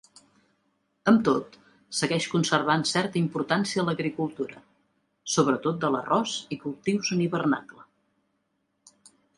Amb tot, segueix conservant certa importància l'agricultura, sobretot de l'arròs i cultius en hivernacle.